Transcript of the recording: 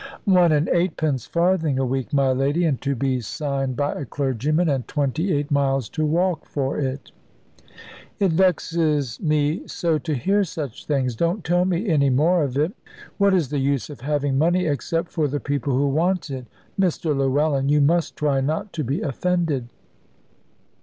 "One and eightpence farthing a week, my lady; and to be signed by a clergyman; and twenty eight miles to walk for it." "It vexes mo so to hear such things. Don't tell me any more of it. What is the use of having money except for the people who want it? Mr Llewellyn, you must try not to be offended."